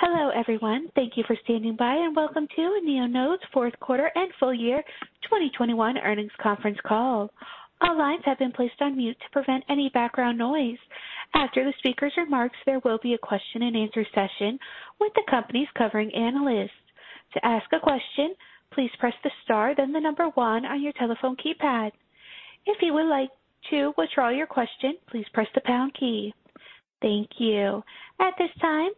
Hello, everyone. Thank you for standing by, and welcome to Neonode's Q4 and Full Year 2021 Earnings Conference Call. All lines have been placed on mute to prevent any background noise. After the speaker's remarks, there will be a question-and-answer session with the company's covering analysts. To ask a question, please press the star then the number one on your telephone keypad. If you would like to withdraw your question, please press the pound key. Thank you. At this time,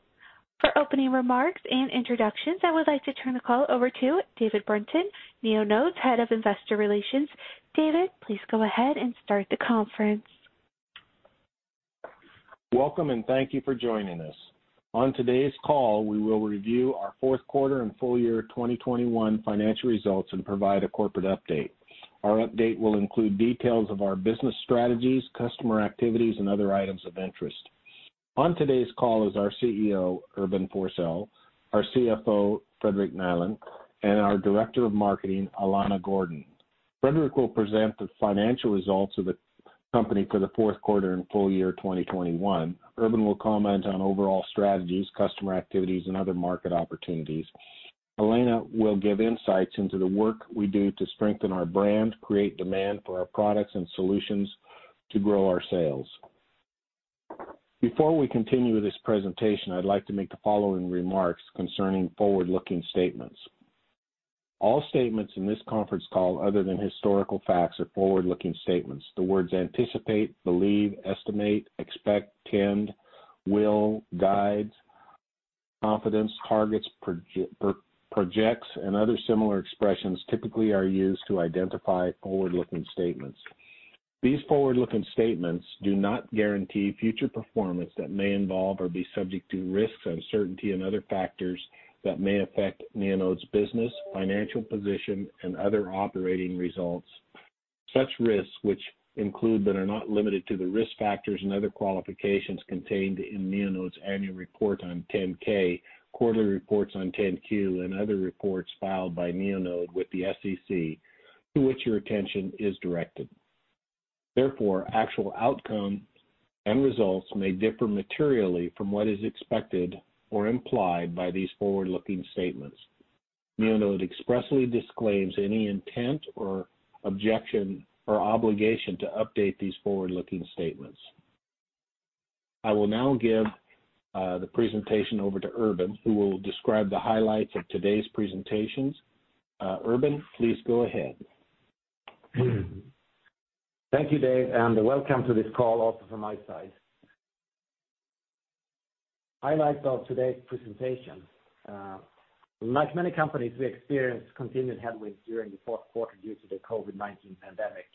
for opening remarks and introductions, I would like to turn the call over to David Brunton, Neonode's Head of Investor Relations. David, please go ahead and start the conference. Welcome, and thank you for joining us. On today's call, we will review our Q4 and full year 2021 financial results and provide a corporate update. Our update will include details of our business strategies, customer activities, and other items of interest. On today's call is our CEO, Urban Forssell, our CFO, Fredrik Nihlén, and our Director of Marketing, Alana Gordon. Fredrik will present the financial results of the company for the fourth quarter and full year 2021. Urban will comment on overall strategies, customer activities, and other market opportunities. Alana will give insights into the work we do to strengthen our brand, create demand for our products and solutions to grow our sales. Before we continue this presentation, I'd like to make the following remarks concerning forward-looking statements. All statements in this conference call other than historical facts are forward-looking statements. The words anticipate, believe, estimate, expect, intend, will, guide, confidence, targets, projects, and other similar expressions typically are used to identify forward-looking statements. These forward-looking statements do not guarantee future performance that may involve or be subject to risks, uncertainty, and other factors, that may affect Neonode's business, financial position, and other operating results. Such risks, which include but are not limited to the risk factors and other qualifications contained in Neonode's annual report on 10-K, quarterly reports on 10-Q, and other reports filed by Neonode with the SEC, to which your attention is directed. Therefore, actual outcome and results may differ materially from what is expected or implied by these forward-looking statements. Neonode expressly disclaims any intent or objection or obligation to update these forward-looking statements. I will now give the presentation over to Urban, who will describe the highlights of today's presentations. Urban, please go ahead. Thank you, Dave, and welcome to this call also from my side. Highlights of today's presentation. Like many companies, we experienced continued headwinds during the fourth quarter due to the COVID-19 pandemic.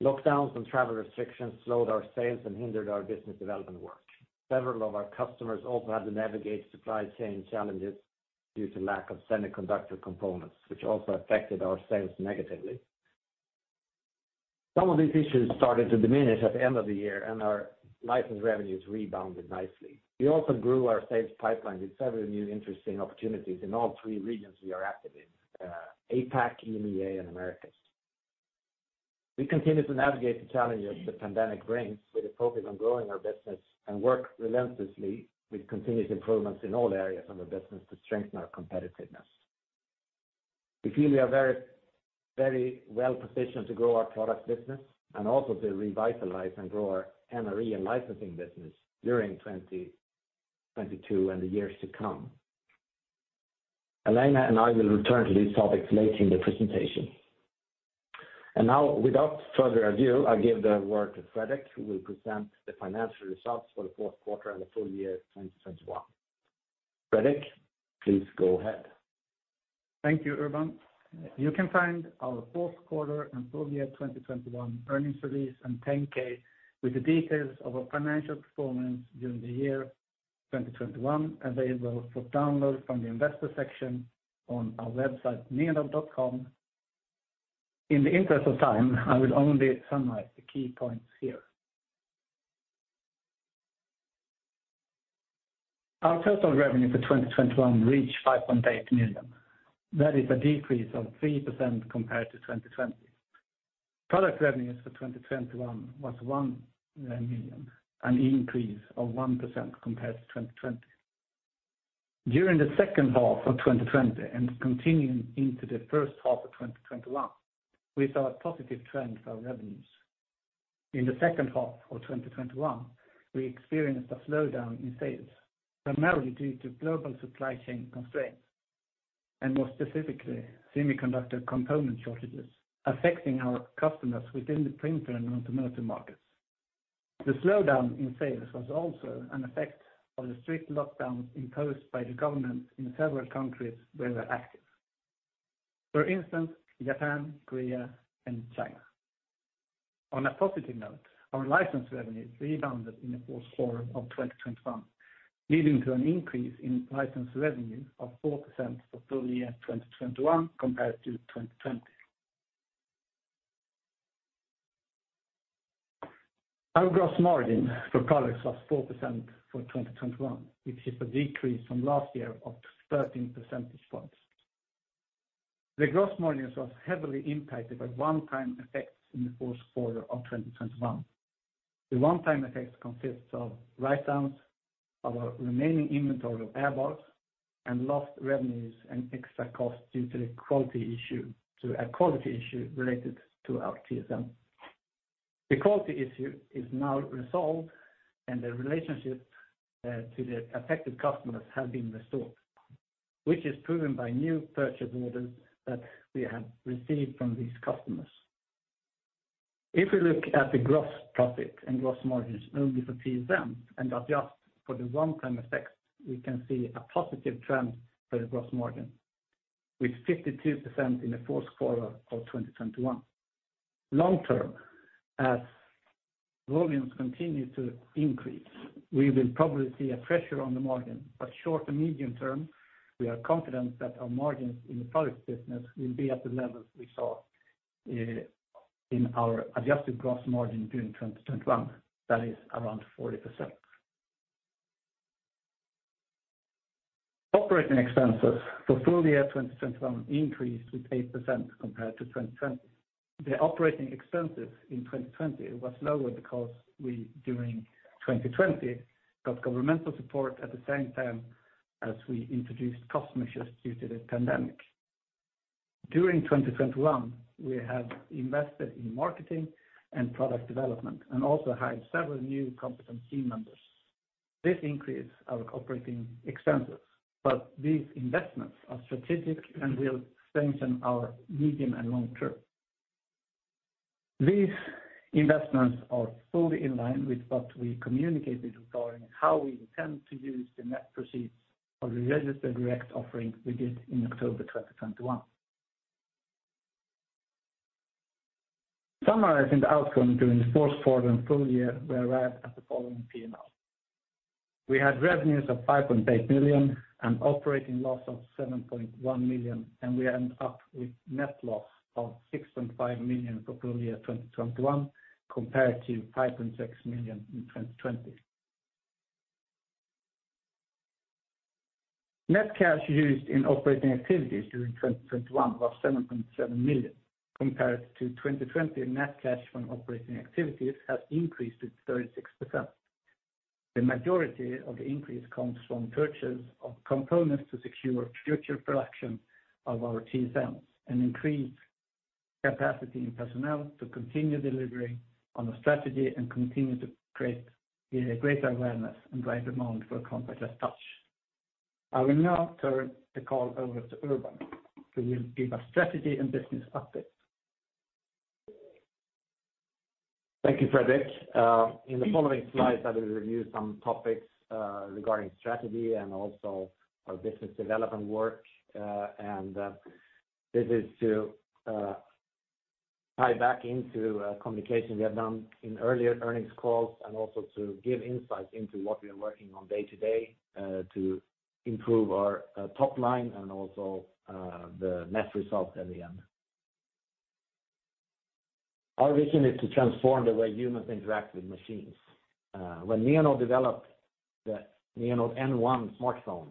Lockdowns and travel restrictions slowed our sales and hindered our business development work. Several of our customers also had to navigate supply chain challenges due to lack of semiconductor components, which also affected our sales negatively. Some of these issues started to diminish at the end of the year, and our license revenues rebounded nicely. We also grew our sales pipeline with several new interesting opportunities in all three regions we are active in, APAC, EMEA, and Americas. We continue to navigate the challenges the pandemic brings with a focus on growing our business and work relentlessly with continuous improvements in all areas of the business to strengthen our competitiveness. We feel we are very, very well-positioned to grow our product business and also to revitalize and grow our M&A and licensing business during 2022 and the years to come. Alana and I will return to these topics later in the presentation. Now, without further ado, I give the word to Fredrik, who will present the financial results for the fourth quarter and the full year 2021. Fredrik, please go ahead. Thank you, Urban. You can find our fourth quarter and full year 2021 earnings release and 10-K with the details of our financial performance during the year 2021 available for download from the investor section on our website, neonode.com. In the interest of time, I will only summarize the key points here. Our total revenue for 2021 reached $5.8 million. That is a decrease of 3% compared to 2020. Product revenues for 2021 was $1 million, an increase of 1% compared to 2020. During the second half of 2020 and continuing into the first half of 2021, we saw a positive trend for our revenues. In the second half of 2021, we experienced a slowdown in sales, primarily due to global supply chain constraints, and more specifically, semiconductor component shortages affecting our customers within the printer and automotive markets. The slowdown in sales was also an effect of the strict lockdowns imposed by the government in several countries where we're active. For instance, Japan, Korea, and China. On a positive note, our license revenues rebounded in the fourth quarter of 2021, leading to an increase in license revenue of 4% for full year 2021 compared to 2020. Our gross margin for products was 4% for 2021, which is a decrease from last year of 13 percentage points. The gross margins was heavily impacted by one-time effects in the fourth quarter of 2021. The one-time effects consists of write-downs of our remaining inventory of AirBar and lost revenues and extra costs due to a quality issue related to our TSM. The quality issue is now resolved, and the relationship to the affected customers have been restored, which is proven by new purchase orders that we have received from these customers. If we look at the gross profit and gross margins only for TSM and adjust for the one-time effects, we can see a positive trend for the gross margin, with 52% in the fourth quarter of 2021. Long term, as volumes continue to increase, we will probably see a pressure on the margin, but short to medium term, we are confident that our margins in the product business will be at the levels we saw in our adjusted gross margin during 2021, that is around 40%. Operating expenses for full year 2021 increased with 8% compared to 2020. The operating expenses in 2020 was lower because we, during 2020, got governmental support at the same time as we introduced cost measures due to the pandemic. During 2021, we have invested in marketing and product development and also hired several new competent team members. This increased our operating expenses, but these investments are strategic and will strengthen our medium and long term. These investments are fully in line with what we communicated regarding how we intend to use the net proceeds of the registered direct offering we did in October 2021. Summarizing the outcome during the fourth quarter and full year, we arrived at the following P&L. We had revenues of $5.8 million, an operating loss of $7.1 million, and we end up with net loss of $6.5 million for full year 2021 compared to $5.6 million in 2020. Net cash used in operating activities during 2021 was $7.7 million compared to 2020 net cash from operating activities has increased to 36%. The majority of the increase comes from purchase of components to secure future production of our TSMs and increase capacity in personnel to continue delivering on the strategy and continue to create greater awareness and drive demand for contactless touch. I will now turn the call over to Urban, who will give a strategy and business update. Thank you, Fredrik. In the following slides, I will review some topics regarding strategy and also our business development work. This is to tie back into communication we have done in earlier earnings calls and also to give insights into what we are working on day-to-day to improve our top line and also the net results at the end. Our vision is to transform the way humans interact with machines. When Neonode developed the Neonode N1 smartphone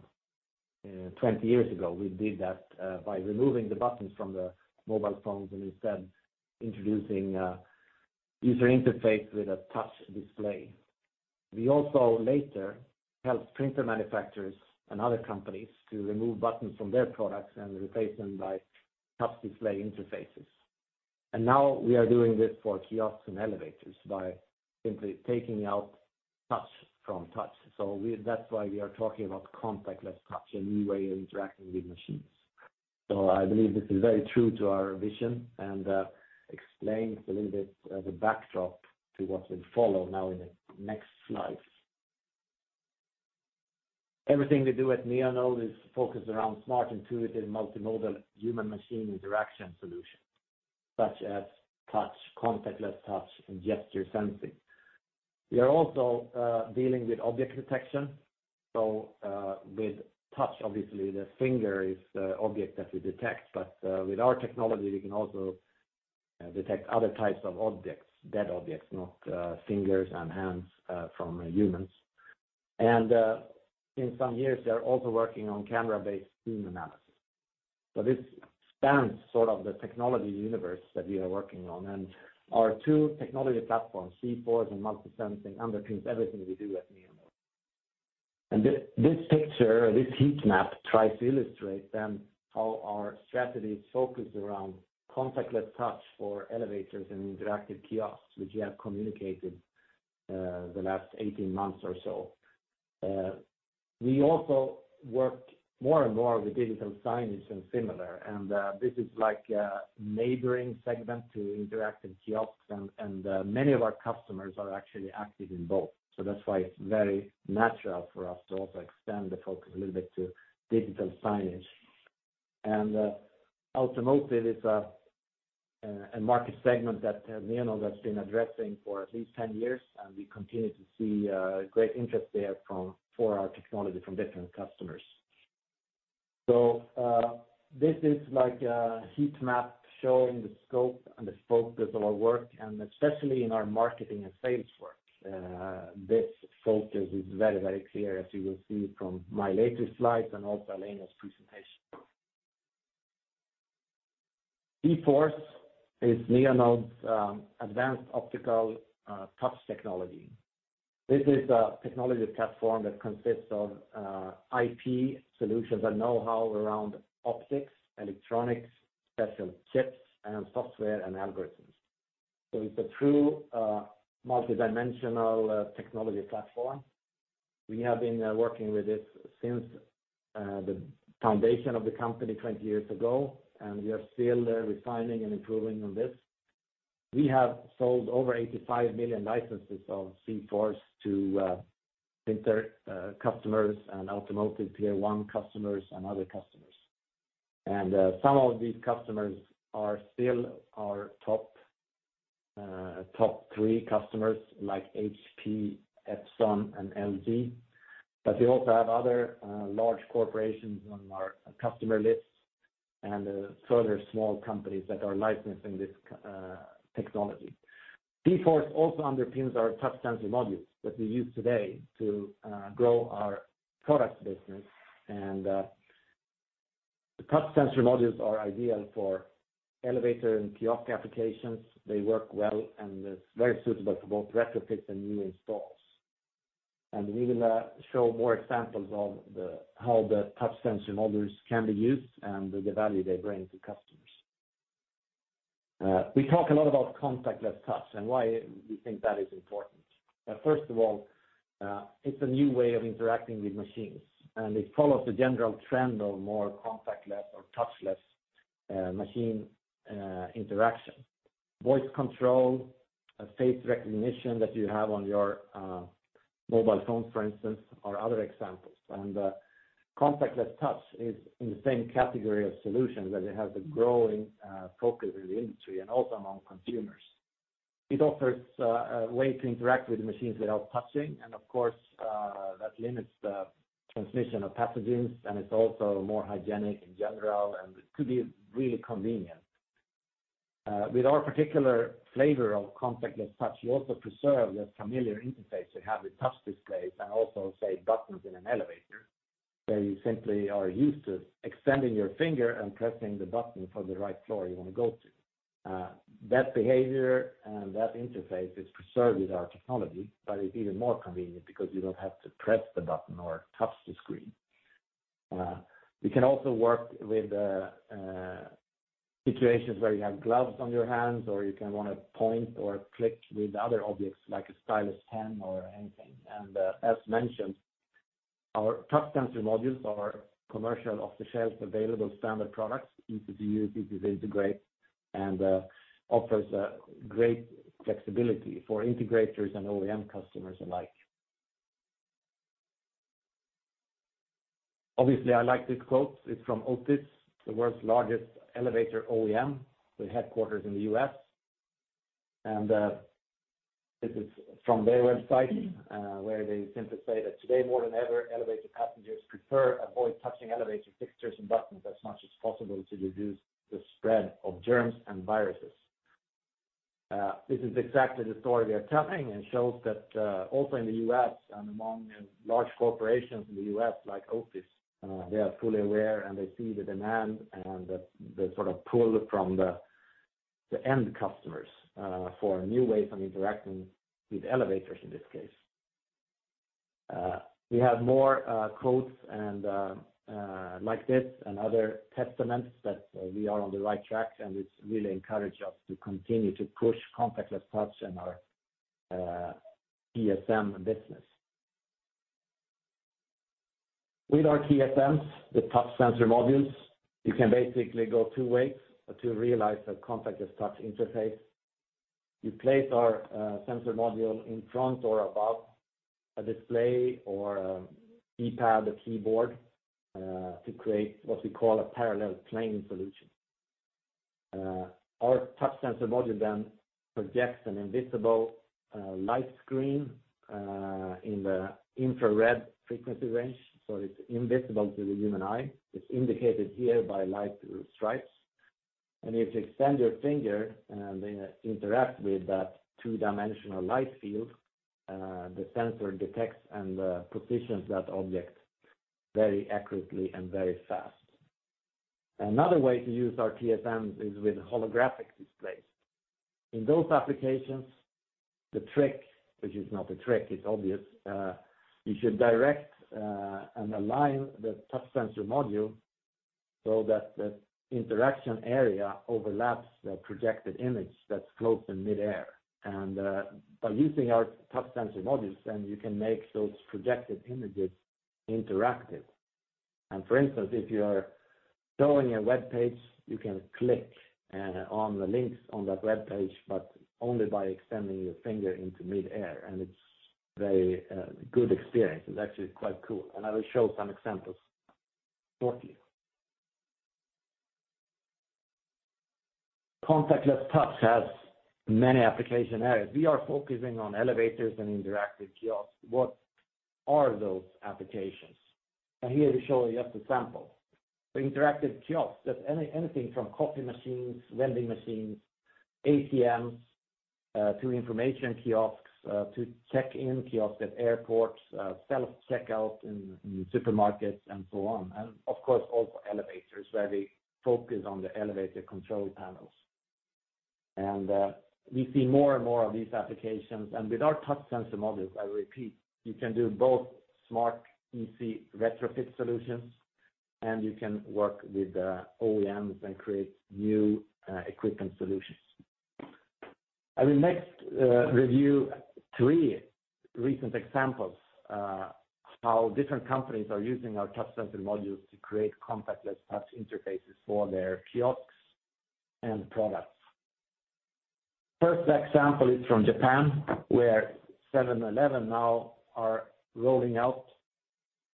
20 years ago, we did that by removing the buttons from the mobile phones and instead introducing user interface with a touch display. We also later helped printer manufacturers and other companies to remove buttons from their products and replace them by touch display interfaces. Now we are doing this for kiosks and elevators by simply taking out touch from touch. That's why we are talking about contactless touch, a new way of interacting with machines. I believe this is very true to our vision and explains a little bit the backdrop to what will follow now in the next slides. Everything we do at Neonode is focused around smart, intuitive, multimodal human machine interaction solutions, such as touch, contactless touch, and gesture sensing. We are also dealing with object detection. With touch, obviously, the finger is the object that we detect. But with our technology, we can also detect other types of objects, dead objects, not fingers and hands from humans. In some years, they are also working on camera-based human analysis. This spans sort of the technology universe that we are working on. Our two technology platforms, C4 and multi-sensing, underpins everything we do at Neonode. This picture, this heat map tries to illustrate then how our strategy is focused around contactless touch for elevators and interactive kiosks, which we have communicated, the last 18 months or so. We also worked more and more with digital signage and similar, and this is like a neighboring segment to interactive kiosks and many of our customers are actually active in both. That's why it's very natural for us to also extend the focus a little bit to digital signage. Automotive is a market segment that Neonode has been addressing for at least ten years, and we continue to see great interest there from for our technology from different customers. This is like a heat map showing the scope and the focus of our work, and especially in our marketing and sales work. This focus is very, very clear, as you will see from my latest slides and also Alana's presentation. zForce is Neonode's advanced optical touch technology. This is a technology platform that consists of IP solutions and know-how around optics, electronics, special chips and software and algorithms. It's a true multidimensional technology platform. We have been working with this since the foundation of the company 20 years ago, and we are still refining and improving on this. We have sold over 85 million licenses of zForce to printer customers and automotive Tier one customers and other customers. Some of these customers are still our top three customers like HP, Epson, and LG. We also have other large corporations on our customer list and further small companies that are licensing this zForce technology. zForce also underpins our touch sensor modules that we use today to grow our product business. The touch sensor modules are ideal for elevator and kiosk applications. They work well and is very suitable for both retrofits and new installs. We will show more examples of how the touch sensor modules can be used and the value they bring to customers. We talk a lot about contactless touch and why we think that is important. First of all, it's a new way of interacting with machines, and it follows the general trend of more contactless or touchless machine interaction. Voice control, face recognition that you have on your mobile phone, for instance, are other examples. Contactless touch is in the same category of solutions that it has a growing focus in the industry and also among consumers. It offers a way to interact with machines without touching. Of course, that limits the transmission of pathogens, and it's also more hygienic in general, and it could be really convenient. With our particular flavor of contactless touch, you also preserve the familiar interface you have with touch displays and also, say, buttons in an elevator, where you simply are used to extending your finger and pressing the button for the right floor you want to go to. That behavior and that interface is preserved with our technology, but it's even more convenient because you don't have to press the button or touch the screen. We can also work with situations where you have gloves on your hands or you can want to point or click with other objects like a stylus pen or anything. As mentioned, our touch sensor modules are commercial, off-the-shelf available standard products, easy to use, easy to integrate, and offers a great flexibility for integrators and OEM customers alike. Obviously, I like this quote. It's from Otis, the world's largest elevator OEM, with headquarters in the U.S. This is from their website, where they simply say that today, more than ever, elevator passengers prefer to avoid touching elevator fixtures and buttons as much as possible to reduce the spread of germs and viruses. This is exactly the story we are telling and shows that, also in the U.S. and among large corporations in the U.S., like Otis, they are fully aware, and they see the demand and the sort of pull from the end customers for new ways of interacting with elevators in this case. We have more quotes and like this and other testaments that we are on the right track, and it's really encouraged us to continue to push contactless touch in our TSM business. With our TSMs, the touch sensor modules, you can basically go two ways to realize a contactless touch interface. You place our sensor module in front or above a display or a keypad, a keyboard to create what we call a parallel plane solution. Our Touch Sensor Module then projects an invisible light screen in the infrared frequency range, so it's invisible to the human eye. It's indicated here by light stripes. If you extend your finger and interact with that two-dimensional light field, the sensor detects and positions that object very accurately and very fast. Another way to use our TSMs is with holographic displays. In those applications, the trick, which is not a trick, it's obvious, you should direct and align the Touch Sensor Module so that the interaction area overlaps the projected image that floats in midair. By using our Touch Sensor Modules, then you can make those projected images interactive. For instance, if you are showing a webpage, you can click on the links on that webpage, but only by extending your finger into midair..It's very good experience. It's actually quite cool. I will show some examples shortly. Contactless touch has many application areas. We are focusing on elevators and interactive kiosks. What are those applications? Here we show just a sample. The interactive kiosks, that's anything from coffee machines, vending machines, ATMs to information kiosks, to check-in kiosks at airports, self-checkout in supermarkets and so on. Of course, also elevators where we focus on the elevator control panels. We see more and more of these applications. With our touch sensor modules, I repeat, you can do both smart, easy retrofit solutions, and you can work with OEMs and create new equipment solutions. I will next review three recent examples of how different companies are using our touch sensor modules to create contactless touch interfaces for their kiosks and products. First example is from Japan, where 7-Eleven now are rolling out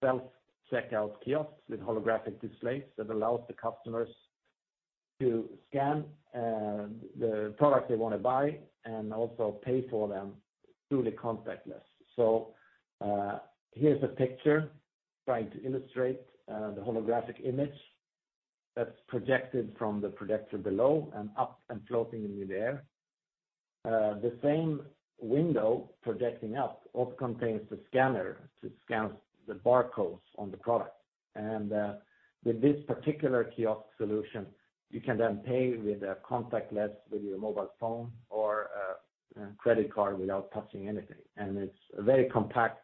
self-checkout kiosks with holographic displays that allows the customers to scan the product they want to buy and also pay for them truly contactless. Here's a picture trying to illustrate the holographic image that's projected from the projector below and up and floating in midair. The same window projecting up also contains the scanner to scan the barcodes on the product. With this particular kiosk solution, you can then pay with a contactless with your mobile phone or a credit card without touching anything. It's very compact,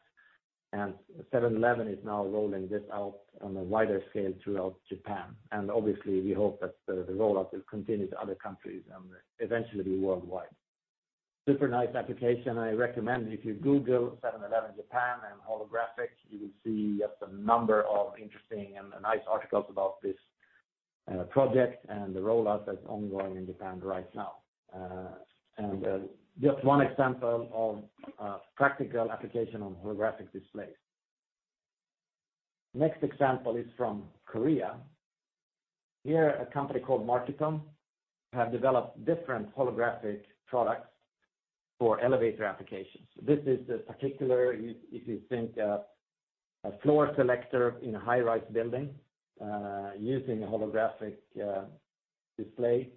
and 7-Eleven is now rolling this out on a wider scale throughout Japan. Obviously, we hope that the rollout will continue to other countries and eventually worldwide. Super nice application. I recommend if you Google Seven-Eleven Japan and holographic, you will see just a number of interesting and nice articles about this project and the rollout that's ongoing in Japan right now. Just one example of a practical application on holographic displays. Next example is from Korea. Here, a company called MarketON have developed different holographic products for elevator applications. This is the particular if you think of a floor selector in a high-rise building, using a holographic display.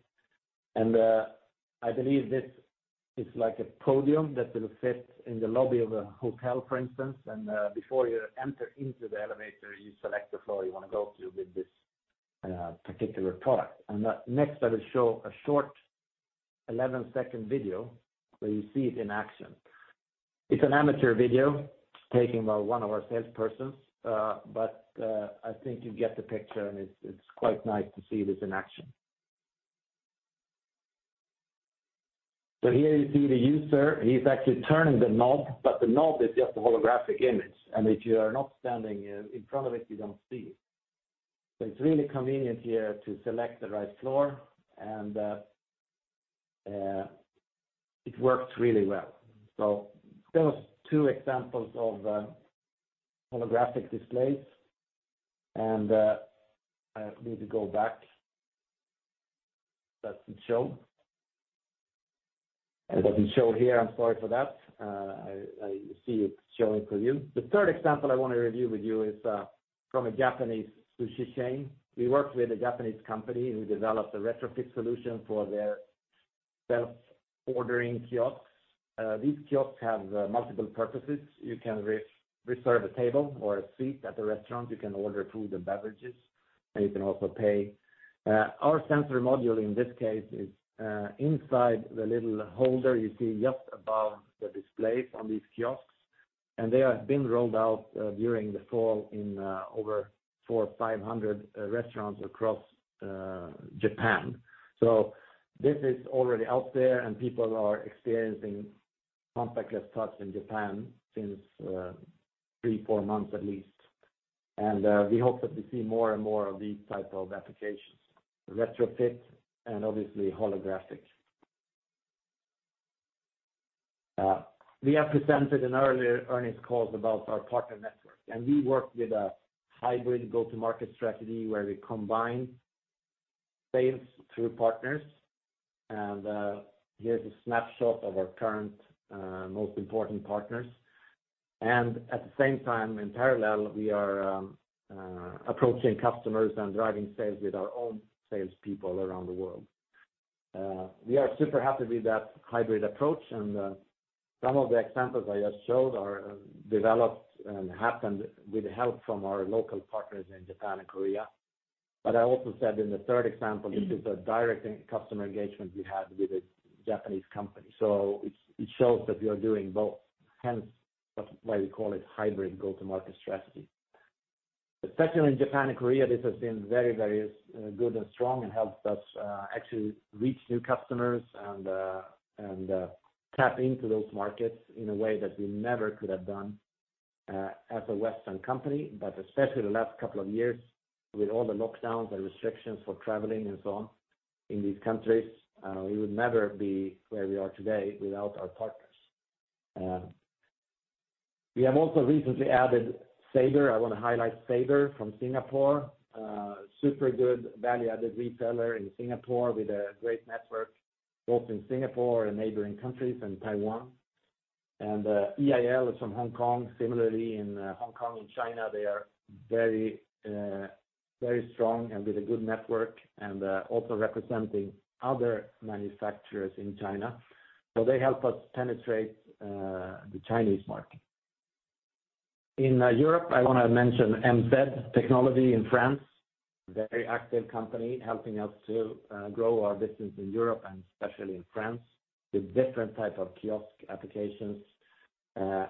I believe this is like a podium that will fit in the lobby of a hotel, for instance. Before you enter into the elevator, you select the floor you want to go to with this particular product. Next, I will show a short 11-second video where you see it in action. It's an amateur video taken by one of our salespersons, but I think you get the picture, and it's quite nice to see this in action. Here you see the user, he's actually turning the knob, but the knob is just a holographic image. If you are not standing in front of it, you don't see it. It's really convenient here to select the right floor, and it works really well. That was two examples of holographic displays. I need to go back. That didn't show. It doesn't show here. I'm sorry for that. I see it showing for you. The third example I want to review with you is from a Japanese sushi chain. We worked with a Japanese company who developed a retrofit solution for their self-ordering kiosks. These kiosks have multiple purposes. You can reserve a table or a seat at the restaurant, you can order food and beverages, and you can also pay. Our sensor module in this case is inside the little holder you see just above the displays on these kiosks, and they have been rolled out during the fall in over 450 restaurants across Japan. This is already out there, and people are experiencing contactless touch in Japan since 3-4 months at least. We hope that we see more and more of these type of applications, retrofit and obviously holographic. We have presented in earlier earnings calls about our partner network, and we work with a hybrid go-to-market strategy where we combine sales through partners. Here's a snapshot of our current, most important partners. At the same time, in parallel, we are approaching customers and driving sales with our own salespeople around the world. We are super happy with that hybrid approach, and some of the examples I just showed are developed and happened with help from our local partners in Japan and Korea. I also said in the third example, this is a direct customer engagement we had with a Japanese company. It shows that we are doing both, hence that's why we call it hybrid go-to-market strategy. Especially in Japan and Korea, this has been very good and strong and helped us actually reach new customers and tap into those markets in a way that we never could have done as a Western company. Especially the last couple of years with all the lockdowns and restrictions for traveling and so on in these countries, we would never be where we are today without our partners. We have also recently added Sabre. I want to highlight Sabre from Singapore. Super good value-added retailer in Singapore with a great network both in Singapore and neighboring countries and Taiwan. EIL is from Hong Kong. Similarly in Hong Kong and China, they are very strong and with a good network, and also representing other manufacturers in China. They help us penetrate the Chinese market. In Europe, I wanna mention MZ Technologie in France, a very active company helping us to grow our business in Europe and especially in France, with different type of kiosk applications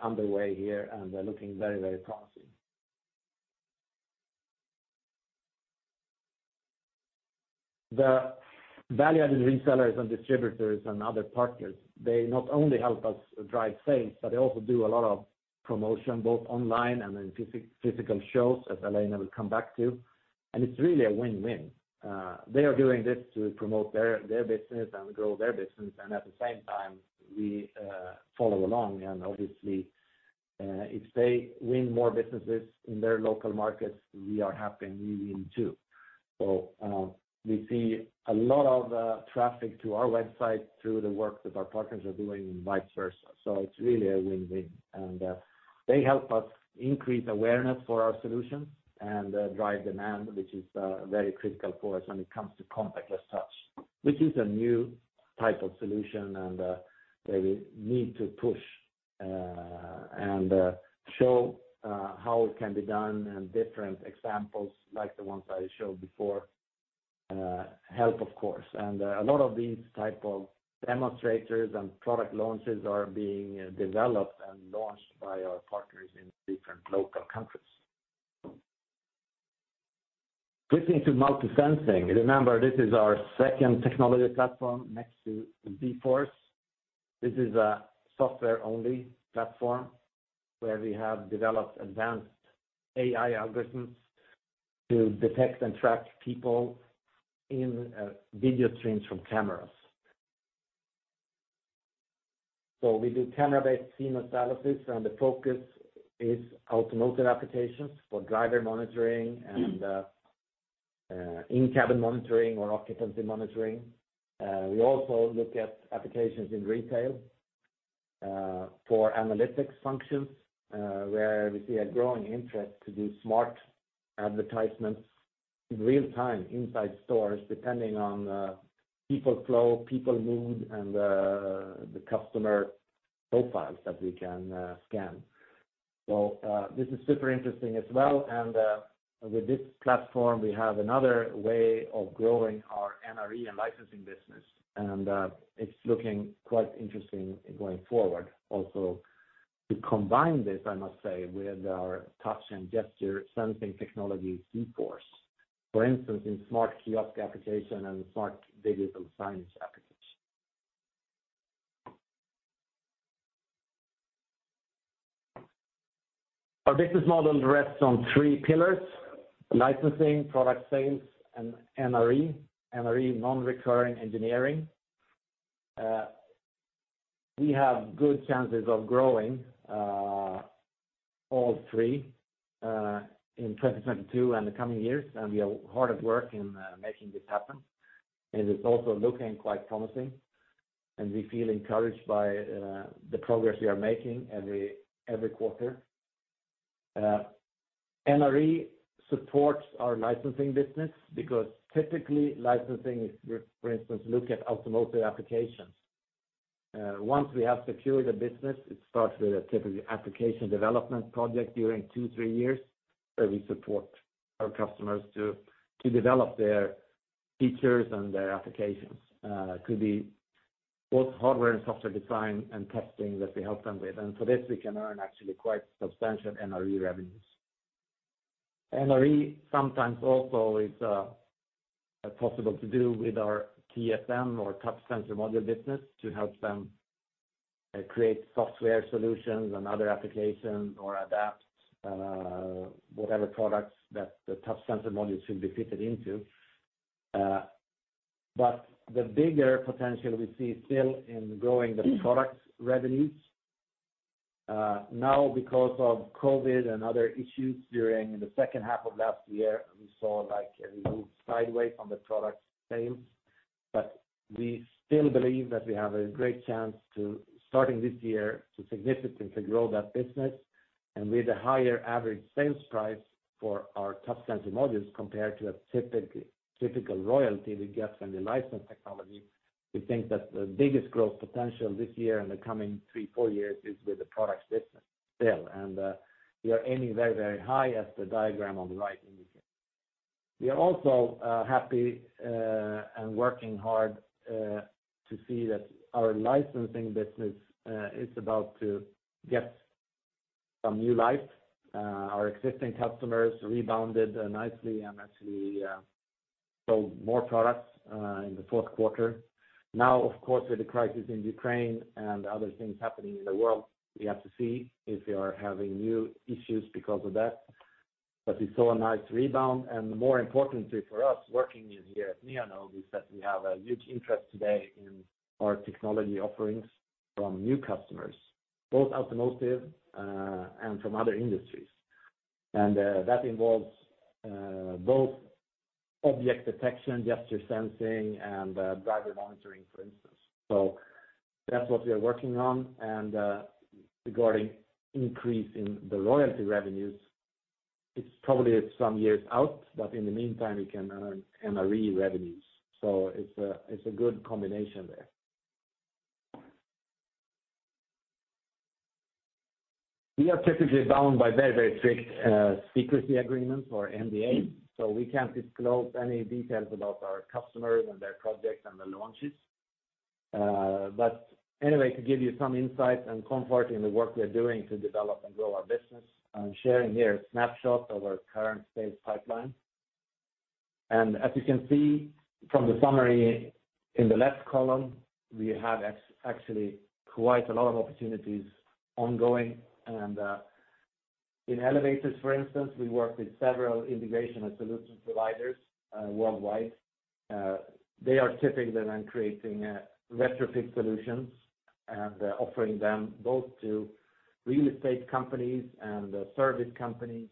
underway here, and they're looking very, very promising. The value-added resellers and distributors and other partners, they not only help us drive sales, but they also do a lot of promotion, both online and in physical shows, as Alana will come back to, and it's really a win-win. They are doing this to promote their business and grow their business, and at the same time we follow along. Obviously, if they win more businesses in their local markets, we are happy and we win too. We see a lot of traffic to our website through the work that our partners are doing and vice versa. It's really a win-win. They help us increase awareness for our solutions and drive demand, which is very critical for us when it comes to contactless touch, which is a new type of solution, and they need to push and show how it can be done and different examples like the ones I showed before help of course. A lot of these type of demonstrators and product launches are being developed and launched by our partners in different local countries. Switching to MultiSensing. Remember, this is our second technology platform next to zForce. This is a software-only platform where we have developed advanced AI algorithms to detect and track people in video streams from cameras. We do camera-based scene analysis, and the focus is automotive applications for driver monitoring and in-cabin monitoring or occupancy monitoring. We also look at applications in retail for analytics functions where we see a growing interest to do smart advertisements in real time inside stores depending on people flow, people mood, and the customer profiles that we can scan. This is super interesting as well. With this platform, we have another way of growing our NRE and licensing business, and it's looking quite interesting going forward. Also, to combine this, I must say, with our touch and gesture sensing technology, zForce. For instance, in smart kiosk application and smart digital signage applications. Our business model rests on three pillars, licensing, product sales, and NRE. NRE, non-recurring engineering. We have good chances of growing all three in 2022 and the coming years, and we are hard at work in making this happen. It is also looking quite promising, and we feel encouraged by the progress we are making every quarter. NRE supports our licensing business because typically licensing is, for instance, look at automotive applications. Once we have secured a business, it starts with a typically application development project during 2-3 years, where we support our customers to develop their features and their applications. Could be both hardware and software design and testing that we help them with. For this, we can earn actually quite substantial NRE revenues. NRE sometimes also is possible to do with our TSM or Touch Sensor Module business to help them create software solutions and other applications or adapt whatever products that the touch sensor module should be fitted into. The bigger potential we see still in growing the products revenues now because of COVID-19 and other issues during the second half of last year, we saw like a move sideways on the products sales. We still believe that we have a great chance to, starting this year, to significantly grow that business. With a higher average sales price for our touch sensor modules compared to a typical royalty we get from the licensed technology, we think that the biggest growth potential this year and the coming three, four years is with the products business still. We are aiming very, very high as the diagram on the right indicates. We are also happy and working hard to see that our licensing business is about to get some new life. Our existing customers rebounded nicely and actually sold more products in the fourth quarter. Now, of course, with the crisis in Ukraine and other things happening in the world, we have to see if we are having new issues because of that. We saw a nice rebound, and more importantly for us working in here at Neonode is that we have a huge interest today in our technology offerings from new customers, both automotive and from other industries. That involves both object detection, gesture sensing, and driver monitoring, for instance. That's what we are working on, and regarding increase in the royalty revenues, it's probably some years out, but in the meantime, we can earn NRE revenues. It's a good combination there. We are typically bound by very, very strict secrecy agreements or NDA, so we can't disclose any details about our customers and their projects and the launches. Anyway, to give you some insight and comfort in the work we're doing to develop and grow our business, I'm sharing here a snapshot of our current sales pipeline. As you can see from the summary in the left column, we have actually quite a lot of opportunities ongoing. In elevators, for instance, we work with several integration and solution providers worldwide. They are typically then creating retrofit solutions and offering them both to real estate companies and service companies,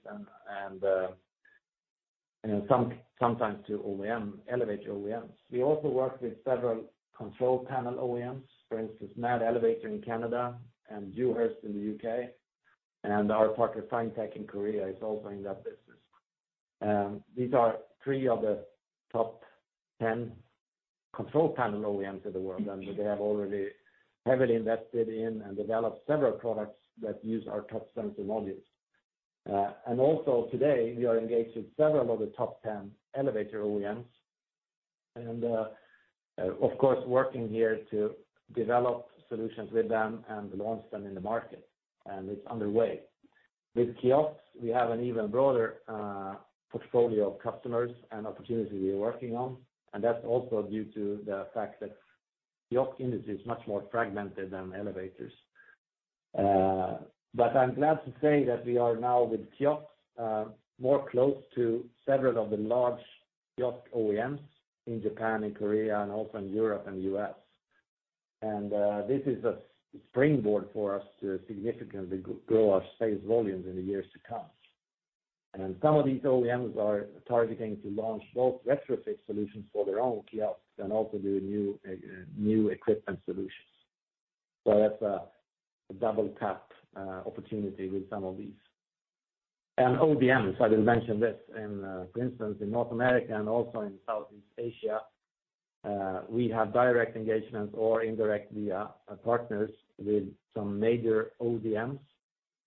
and you know, sometimes to OEM elevator OEMs. We also work with several control panel OEMs, for instance, MAD Elevator in Canada and Newhurst in the U.K., and our partner Finetek in Korea is also in that business. These are three of the top 10 control panel OEMs in the world, and they have already heavily invested in and developed several products that use our touch sensor modules. Also today, we are engaged with several of the top 10 elevator OEMs, and of course working here to develop solutions with them and launch them in the market, and it's underway. With kiosks, we have an even broader portfolio of customers and opportunities we are working on, and that's also due to the fact that kiosk industry is much more fragmented than elevators. But I'm glad to say that we are now with kiosks more close to several of the large kiosk OEMs in Japan and Korea and also in Europe and U.S. This is a springboard for us to significantly grow our sales volumes in the years to come. Some of these OEMs are targeting to launch both retrofit solutions for their own kiosks and also do new equipment solutions. That's a double tap opportunity with some of these. ODMs, I will mention this, for instance, in North America and also in Southeast Asia, we have direct engagements or indirect via partners with some major ODMs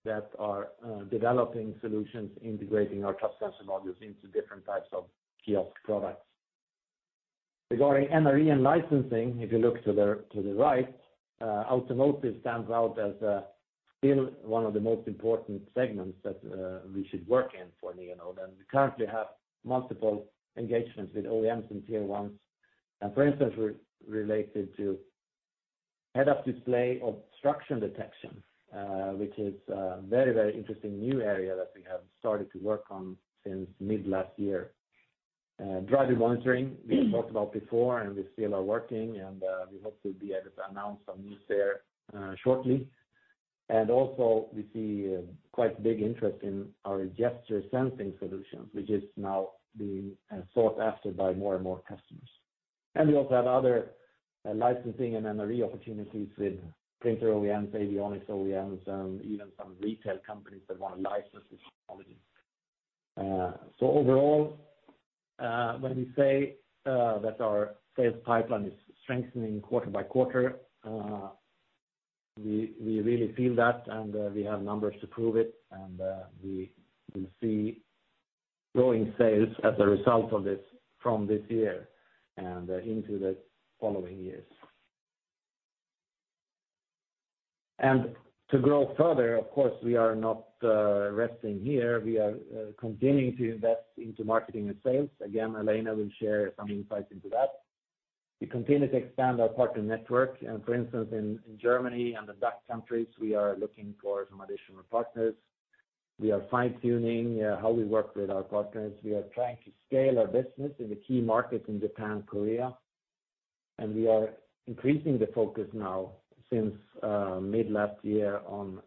that are developing solutions integrating our touch sensor modules into different types of kiosk products. Regarding NRE and licensing, if you look to the right, automotive stands out as still one of the most important segments that we should work in for Neonode, and we currently have multiple engagements with OEMs and tier ones. For instance, related to head-up display obstruction detection, which is a very interesting new area that we have started to work on since mid last year. Driver monitoring, we talked about before, and we still are working, and we hope to be able to announce some news there shortly. We see quite big interest in our gesture sensing solutions, which is now being sought after by more and more customers. We also have other licensing and NRE opportunities with printer OEMs, avionics OEMs, even some retail companies that want to license this technology. Overall, when we say that our sales pipeline is strengthening quarter by quarter, we really feel that, and we have numbers to prove it. We will see growing sales as a result of this from this year and into the following years. To grow further, of course, we are not resting here. We are continuing to invest into marketing and sales. Again, Alana will share some insights into that. We continue to expand our partner network. For instance, in Germany and the DACH countries, we are looking for some additional partners. We are fine-tuning how we work with our partners. We are trying to scale our business in the key markets in Japan, Korea. We are increasing the focus now since mid last year on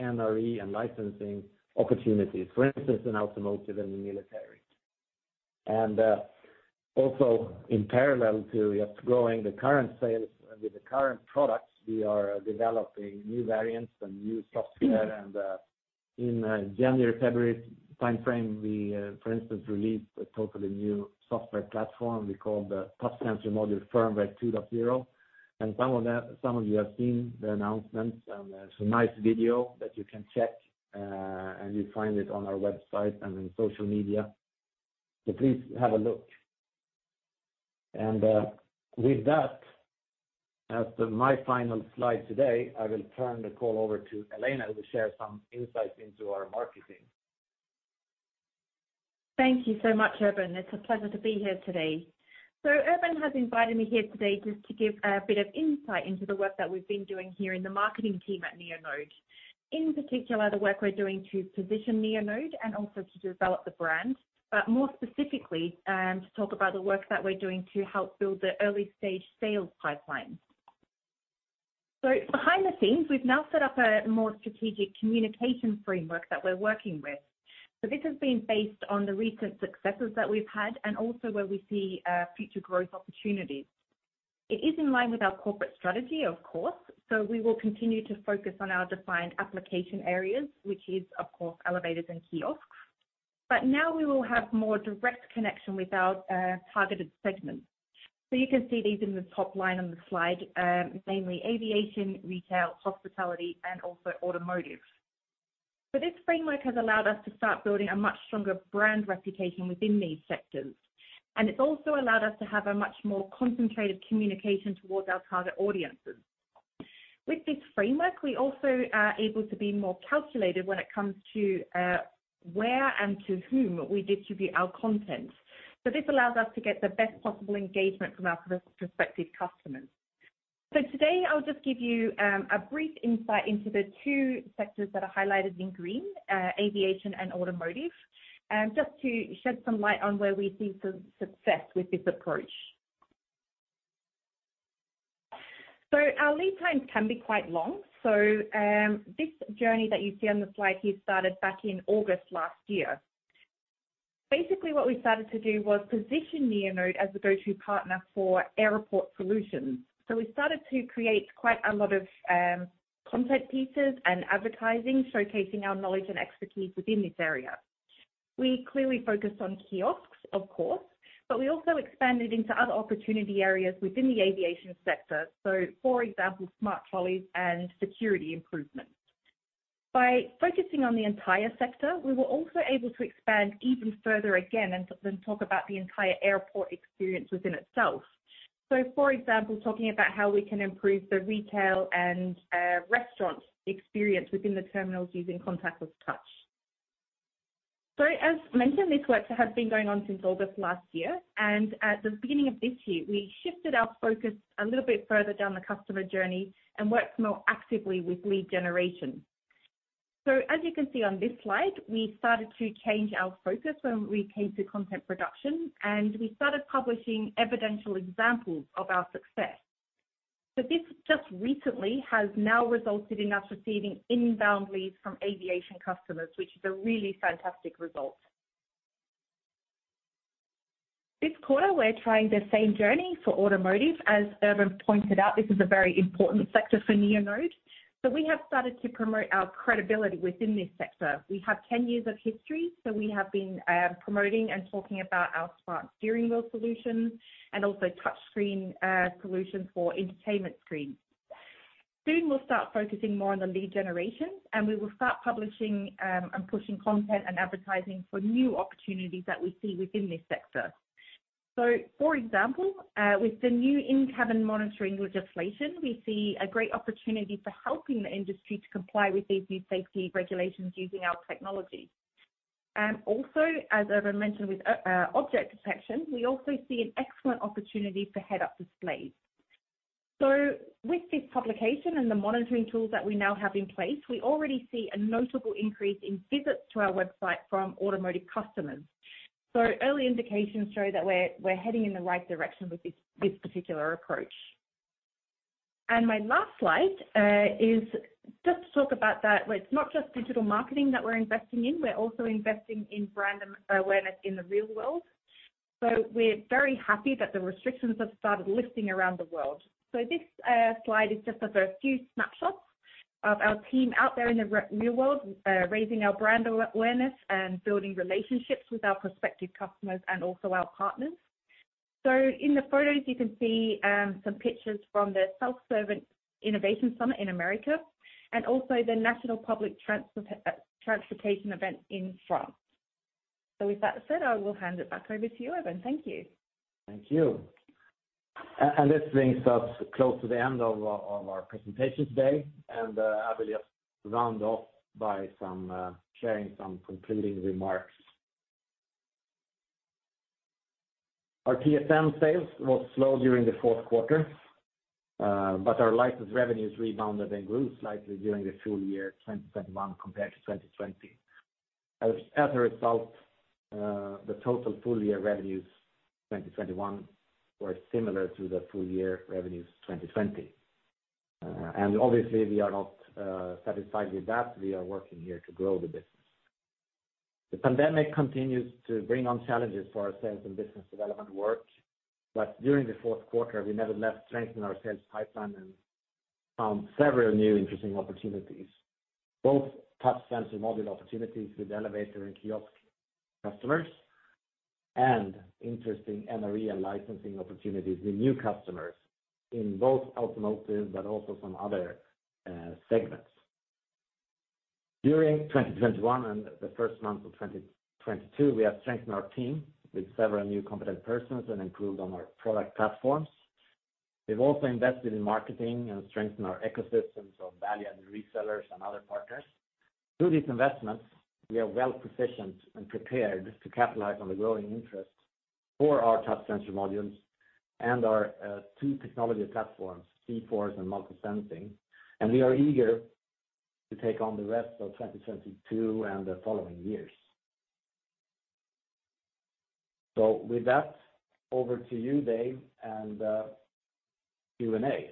NRE and licensing opportunities, for instance, in automotive and military. Also in parallel to just growing the current sales with the current products, we are developing new variants and new software. In January, February timeframe, we, for instance, released a totally new software platform we call the Touch Sensor Module Firmware 2.0. Some of you have seen the announcements, and there's a nice video that you can check, and you find it on our website and in social media. Please have a look. With that, as to my final slide today, I will turn the call over to Alana, who will share some insights into our marketing. Thank you so much, Urban. It's a pleasure to be here today. Urban has invited me here today just to give a bit of insight into the work that we've been doing here in the marketing team at Neonode. In particular, the work we're doing to position Neonode and also to develop the brand, but more specifically, to talk about the work that we're doing to help build the early-stage sales pipeline. Behind the scenes, we've now set up a more strategic communication framework that we're working with. This has been based on the recent successes that we've had and also where we see, future growth opportunities. It is in line with our corporate strategy, of course, so we will continue to focus on our defined application areas, which is, of course, elevators and kiosks. Now we will have more direct connection with our targeted segments. You can see these in the top line on the slide, mainly aviation, retail, hospitality, and also automotive. This framework has allowed us to start building a much stronger brand reputation within these sectors, and it's also allowed us to have a much more concentrated communication towards our target audiences. With this framework, we also are able to be more calculated when it comes to where and to whom we distribute our content. This allows us to get the best possible engagement from our prospective customers. Today, I'll just give you a brief insight into the two sectors that are highlighted in green, aviation and automotive, just to shed some light on where we see some success with this approach. Our lead times can be quite long. This journey that you see on the slide here started back in August last year. Basically, what we started to do was position Neonode as the go-to partner for airport solutions. We started to create quite a lot of content pieces and advertising, showcasing our knowledge and expertise within this area. We clearly focused on kiosks, of course, but we also expanded into other opportunity areas within the aviation sector, for example, smart trolleys and security improvements. By focusing on the entire sector, we were also able to expand even further and then talk about the entire airport experience within itself. For example, talking about how we can improve the retail and restaurant experience within the terminals using contactless touch. As mentioned, this work has been going on since August last year, and at the beginning of this year, we shifted our focus a little bit further down the customer journey and worked more actively with lead generation. As you can see on this slide, we started to change our focus when we came to content production, and we started publishing evidential examples of our success. This just recently has now resulted in us receiving inbound leads from aviation customers, which is a really fantastic result. This quarter, we're trying the same journey for automotive. As Urban pointed out, this is a very important sector for Neonode. We have started to promote our credibility within this sector. We have ten years of history, so we have been promoting and talking about our smart steering wheel solutions and also touchscreen solutions for entertainment screens. Soon, we'll start focusing more on the lead generations, and we will start publishing, and pushing content and advertising for new opportunities that we see within this sector. For example, with the new in-cabin monitoring legislation, we see a great opportunity for helping the industry to comply with these new safety regulations using our technology. Also, as Urban mentioned with object detection, we also see an excellent opportunity for head-up displays. With this publication and the monitoring tools that we now have in place, we already see a notable increase in visits to our website from automotive customers. Early indications show that we're heading in the right direction with this particular approach. My last slide is just to talk about that it's not just digital marketing that we're investing in, we're also investing in brand awareness in the real world. We're very happy that the restrictions have started lifting around the world. This slide is just a very few snapshots of our team out there in the real world, raising our brand awareness and building relationships with our prospective customers and also our partners. In the photos, you can see some pictures from the Self-Service Innovation Summit in America and also the Transports Publics event in France. With that said, I will hand it back over to you, Urban. Thank you. Thank you. This brings us close to the end of our presentation today. I will just round off by some sharing some concluding remarks. Our TSM sales were slow during the fourth quarter, but our license revenues rebounded and grew slightly during the full year 2022 compared to 2020. As a result, the total full-year revenues 2021 were similar to the full-year revenues 2020. Obviously, we are not satisfied with that. We are working here to grow the business. The pandemic continues to bring on challenges for our sales and business development work. During the fourth quarter, we nevertheless strengthened our sales pipeline and found several new interesting opportunities, both touch sensor module opportunities with elevator and kiosk customers and interesting NRE and licensing opportunities with new customers in both automotive but also some other segments. During 2021 and the first month of 2022, we have strengthened our team with several new competent persons and improved on our product platforms. We've also invested in marketing and strengthened our ecosystems of value-added resellers and other partners. Through these investments, we are well-positioned and prepared to capitalize on the growing interest for our touch sensor modules and our two technology platforms, zForce and MultiSensing. We are eager to take on the rest of 2022 and the following years. With that, over to you, Dave, and Q&A.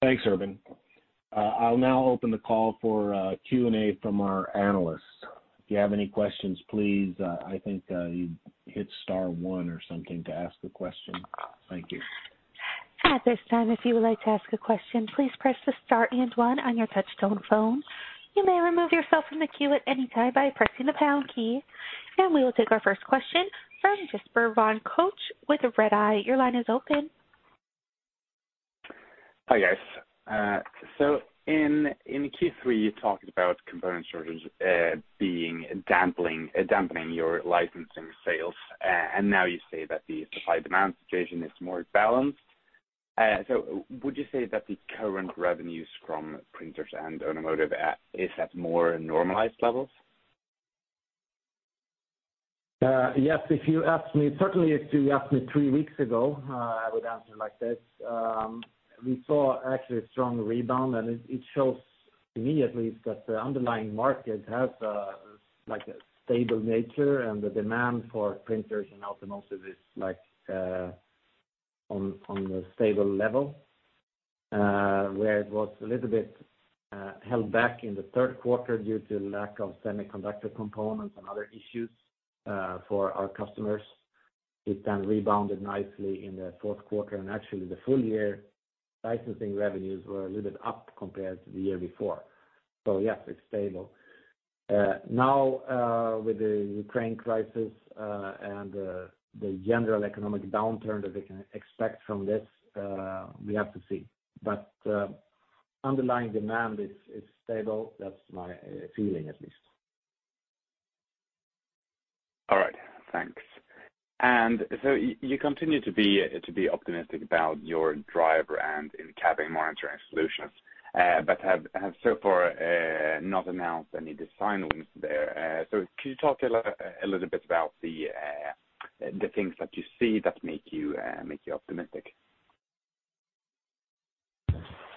Thanks, Urban. I'll now open the call for Q&A from our analysts. If you have any questions, please, I think, you hit star one or something to ask a question. Thank you. At this time, if you would like to ask a question, please press the star and one on your touchtone phone. You may remove yourself from the queue at any time by pressing the pound key. We will take our first question from Jesper von Koch with Redeye. Your line is open. Hi, guys. In Q3, you talked about component shortages being dampening your licensing sales. Now you say that the supply and demand situation is more balanced. Would you say that the current revenues from printers and automotive is at more normalized levels? Yes. If you asked me, certainly if you asked me three weeks ago, I would answer like this. We saw actually a strong rebound, and it shows to me at least that the underlying market has like a stable nature and the demand for printers and automotive is like on a stable level, where it was a little bit held back in the third quarter due to lack of semiconductor components and other issues for our customers. It then rebounded nicely in the fourth quarter, and actually the full year licensing revenues were a little bit up compared to the year before. Yes, it's stable. Now, with the Ukraine crisis and the general economic downturn that we can expect from this, we have to see. Underlying demand is stable. That's my feeling at least. All right. Thanks. You continue to be optimistic about your driver and in-cabin monitoring solutions, but have so far not announced any design wins there. Could you talk a little bit about the things that you see that make you optimistic?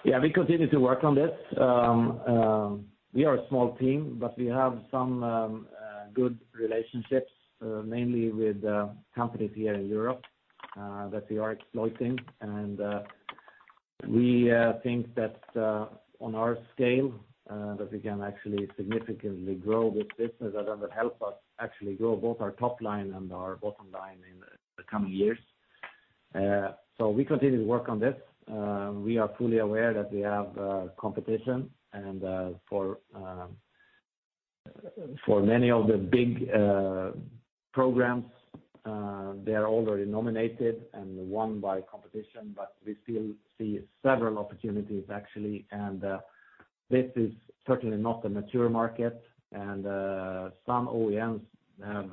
Yeah. We continue to work on this. We are a small team, but we have some good relationships mainly with companies here in Europe that we are exploiting. We think that on our scale that we can actually significantly grow this business and that will help us actually grow both our top line and our bottom line in the coming years. We continue to work on this. We are fully aware that we have competition and for many of the big programs they are already nominated and won by competition. We still see several opportunities actually, and this is certainly not a mature market. Some OEMs have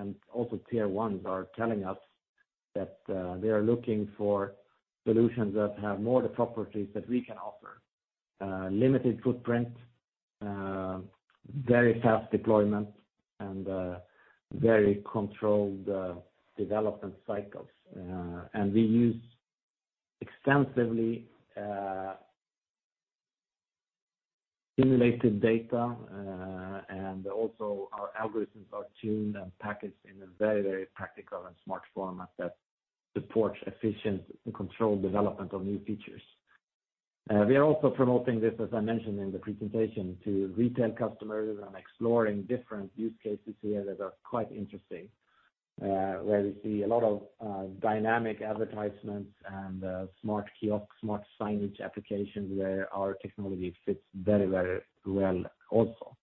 and also tier ones are telling us that they are looking for solutions that have more the properties that we can offer. Limited footprint, very fast deployment and very controlled development cycles. We use extensively simulated data and also our algorithms are tuned and packaged in a very, very practical and smart format that supports efficient and controlled development of new features. We are also promoting this, as I mentioned in the presentation, to retail customers and exploring different use cases here that are quite interesting, where we see a lot of dynamic advertisements and smart kiosk, smart signage applications where our technology fits very, very well also.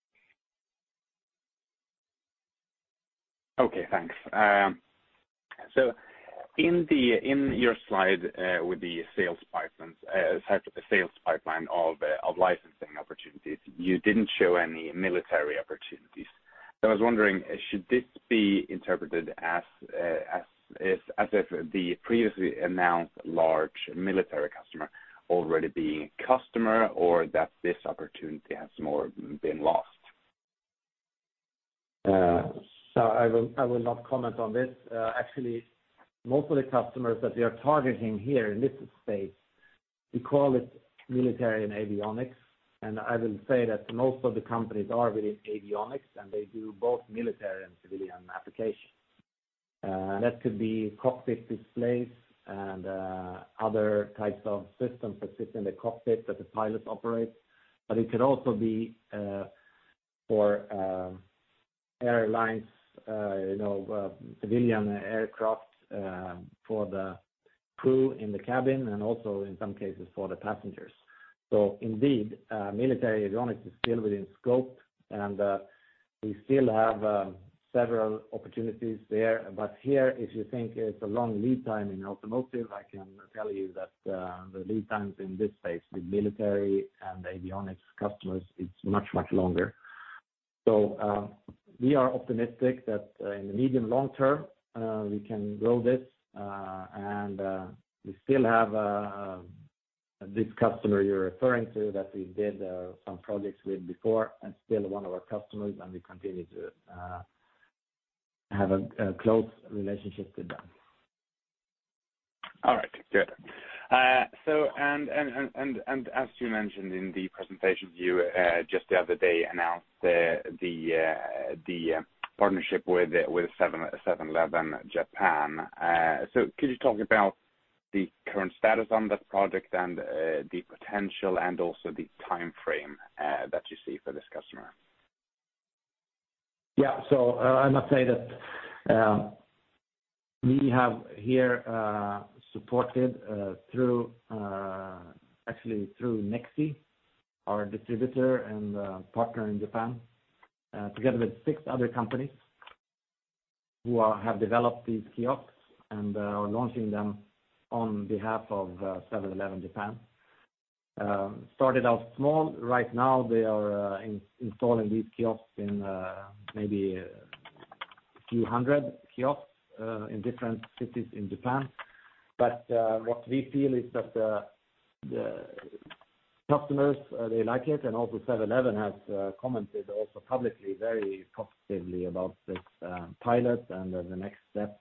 Okay, thanks. In your slide with the sales pipelines, sorry, the sales pipeline of licensing opportunities, you didn't show any military opportunities. I was wondering, should this be interpreted as if the previously announced large military customer already being a customer or that this opportunity has more or less been lost? I will not comment on this. Actually, most of the customers that we are targeting here in this space, we call it military and avionics. I will say that most of the companies are within avionics, and they do both military and civilian applications. That could be cockpit displays and other types of systems that sit in the cockpit that the pilots operate. It could also be for airlines, you know, civilian aircraft, for the crew in the cabin and also in some cases for the passengers. Indeed, military avionics is still within scope and we still have several opportunities there. Here, if you think it's a long lead time in automotive, I can tell you that the lead times in this space with military and avionics customers, it's much, much longer. We are optimistic that in the medium long term, we can grow this, and we still have this customer you're referring to that we did some projects with before and still one of our customers, and we continue to have a close relationship with them. All right, good. As you mentioned in the presentation, we just the other day announced the partnership with Seven-Eleven Japan. Could you talk about the current status on that project and the potential and also the timeframe that you see for this customer? Yeah. I must say that we have here supported actually through NEXTY, our distributor and partner in Japan, together with six other companies who have developed these kiosks and are launching them on behalf of Seven-Eleven Japan. Started out small. Right now they are installing these kiosks in maybe a few hundred kiosks in different cities in Japan. What we feel is that the customers, they like it, and also Seven-Eleven has commented also publicly very positively about this pilot and the next step.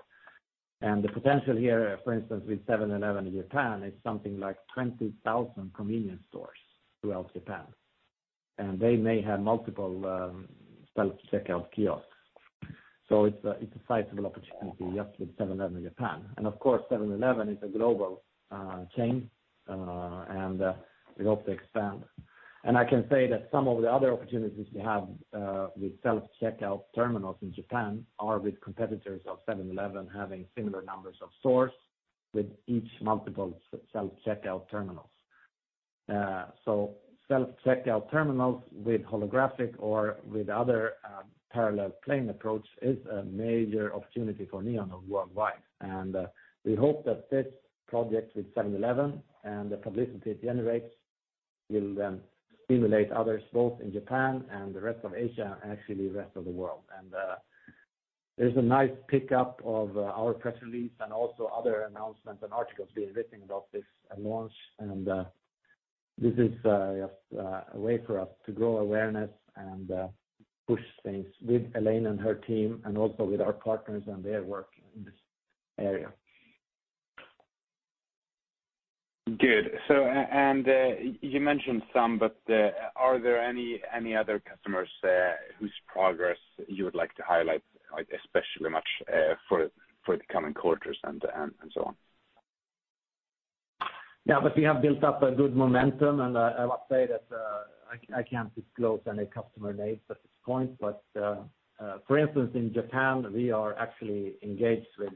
The potential here, for instance, with Seven-Eleven Japan is something like 20,000 convenience stores throughout Japan, and they may have multiple self-checkout kiosks. It's a sizable opportunity just with Seven-Eleven Japan. Of course, 7-Eleven is a global chain, and we hope to expand. I can say that some of the other opportunities we have with self-checkout terminals in Japan are with competitors of 7-Eleven having similar numbers of stores with each multiple self-checkout terminals. Self-checkout terminals with holographic or with other parallel plane approach is a major opportunity for Neonode worldwide. We hope that this project with 7-Eleven and the publicity it generates will then stimulate others both in Japan and the rest of Asia and actually the rest of the world. There's a nice pickup of our press release and also other announcements and articles being written about this launch. This is, yes, a way for us to grow awareness and push things with Alana and her team and also with our partners and their work in this area. Good. You mentioned some, but are there any other customers whose progress you would like to highlight, like, especially much, for the coming quarters and so on? Yeah, we have built up a good momentum, and I must say that I can't disclose any customer names at this point. For instance, in Japan, we are actually engaged with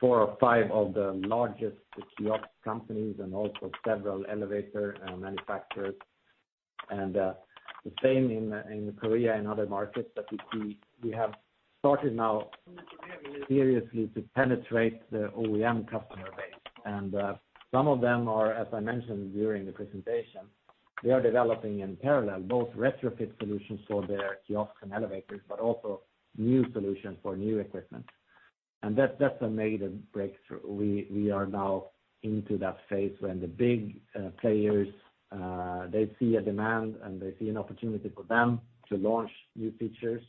four or five of the largest kiosk companies and also several elevator manufacturers, and the same in Korea and other markets that we see. We have started now seriously to penetrate the OEM customer base. Some of them are, as I mentioned during the presentation, they are developing in parallel both retrofit solutions for their kiosks and elevators, but also new solutions for new equipment. That's a major breakthrough. We are now into that phase when the big players they see a demand, and they see an opportunity for them to launch new features,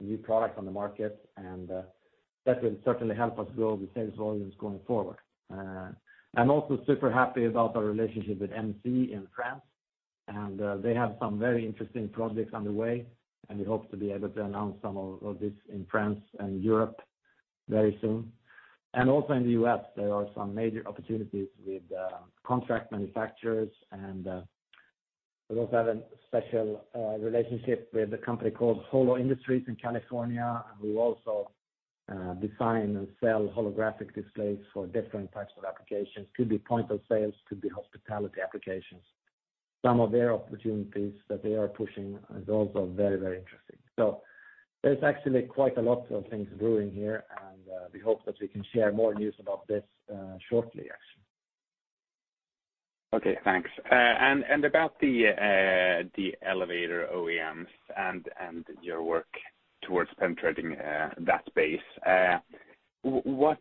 new products on the market, and that will certainly help us grow the sales volumes going forward. I'm also super happy about our relationship with MC in France, and they have some very interesting projects underway, and we hope to be able to announce some of this in France and Europe very soon. Also in the U.S., there are some major opportunities with contract manufacturers. We also have a special relationship with a company called Holo Industries in California, who also design and sell holographic displays for different types of applications. Could be point of sales, could be hospitality applications. Some of their opportunities that they are pushing are also very, very interesting. There's actually quite a lot of things brewing here, and we hope that we can share more news about this, shortly actually. Okay, thanks. About the elevator OEMs and your work towards penetrating that space, what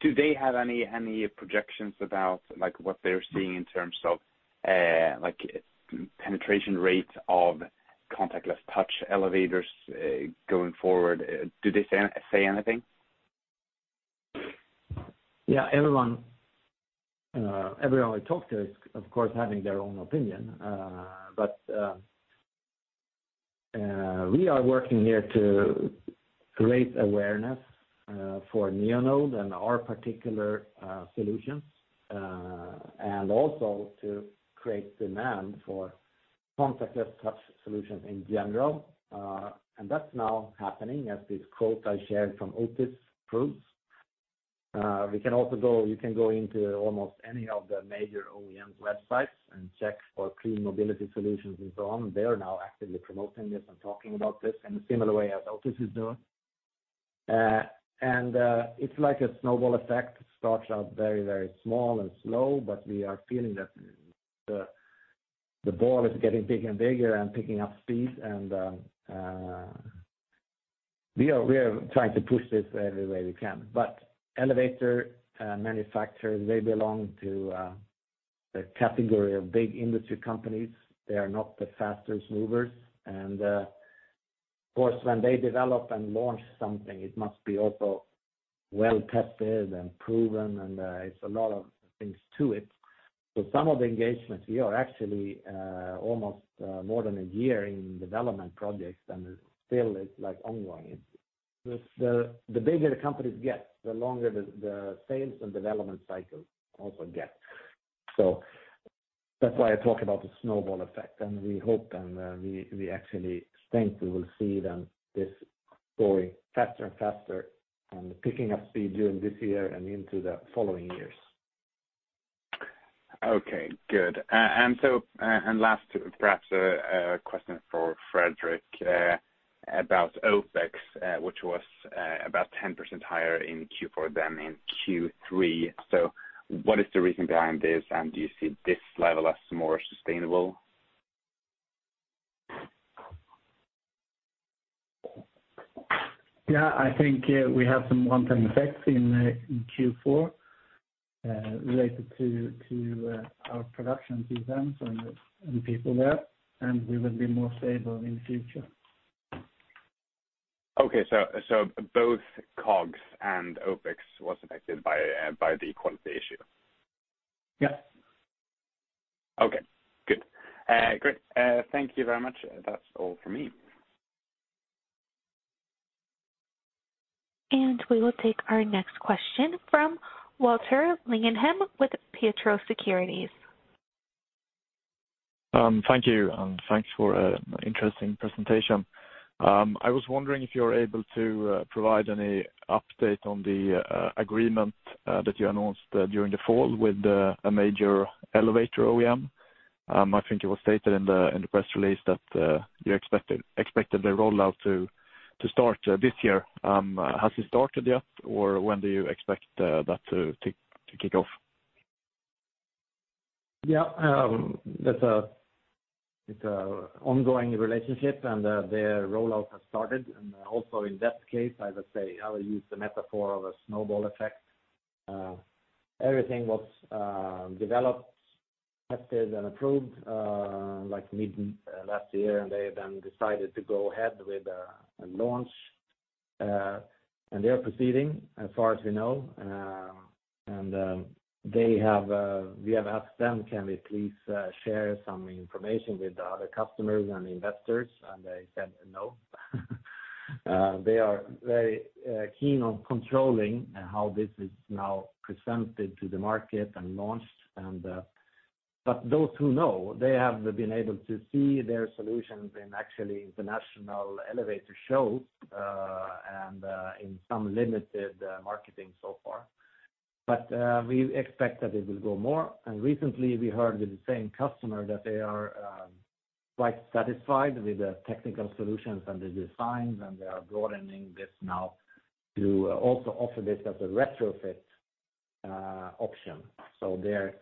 do they have any projections about, like, what they're seeing in terms of like penetration rates of contactless touch elevators going forward? Do they say anything? Yeah. Everyone we talk to is of course having their own opinion. But we are working here to create awareness for Neonode and our particular solutions, and also to create demand for contactless touch solutions in general. That's now happening, as this quote I shared from Otis proves. We can also go, you can go into almost any of the major OEMs' websites and check for clean mobility solutions and so on. They are now actively promoting this and talking about this in a similar way as Otis is doing. It's like a snowball effect. It starts out very, very small and slow, but we are feeling that the ball is getting bigger and bigger and picking up speed. We are trying to push this every way we can. Elevator manufacturers, they belong to the category of big industry companies. They are not the fastest movers. Of course, when they develop and launch something, it must be also well tested and proven, and it's a lot of things to it. So some of the engagements, we are actually almost more than a year in development projects, and it still is, like, ongoing. The bigger the companies get, the longer the sales and development cycle also gets. So that's why I talk about the snowball effect, and we hope and we actually think we will see then this growing faster and faster and picking up speed during this year and into the following years. Okay, good. Last, perhaps, question for Fredrik about OpEx, which was about 10% higher in Q4 than in Q3. What is the reason behind this, and do you see this level as more sustainable? Yeah, I think we have some one-time effects in Q4 related to our production seasons and people there, and we will be more stable in future. Okay. Both COGS and OpEx was affected by the quality issue? Yeah. Okay, good. Great. Thank you very much. That's all for me. We will take our next question from Walter Lingenheim with Pareto Securities. Thank you, and thanks for interesting presentation. I was wondering if you're able to provide any update on the agreement that you announced during the fall with a major elevator OEM. I think it was stated in the press release that you expected the rollout to start this year. Has it started yet, or when do you expect that to kick off? Yeah, that's an ongoing relationship, and their rollout has started. Also in that case, I would say I will use the metaphor of a snowball effect. Everything was developed, tested, and approved like mid last year, and they then decided to go ahead with a launch. They are proceeding as far as we know, and we have asked them, can we please share some information with the other customers and investors? They said no. They are very keen on controlling how this is now presented to the market and launched. Those who know, they have been able to see their solutions in actually the national elevator show, and in some limited marketing so far. We expect that it will grow more. Recently we heard with the same customer that they are quite satisfied with the technical solutions and the designs, and they are broadening this now to also offer this as a retrofit option. Their